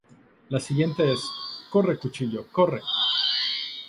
La siguiente es "Corre, Cuchillo, corre".